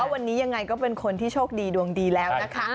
วันนี้ยังไงก็เป็นคนที่โชคดีดวงดีแล้วนะคะ